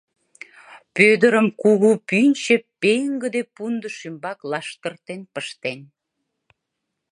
Пӧдырым кугу пӱнчӧ пеҥгыде пундыш ӱмбак лаштыртен пыштен...